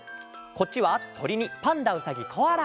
こっちは「とり」に「パンダうさぎコアラ」。